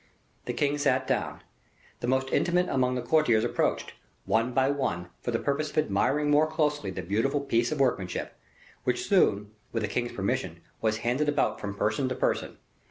The king sat down. The most intimate among the courtiers approached, one by one, for the purpose of admiring more closely the beautiful piece of workmanship, which soon, with the king's permission, was handed about from person to person.